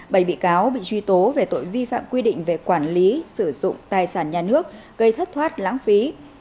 bảy bị cáo bị truy tố về tội vi phạm các quy định về quản lý đất đai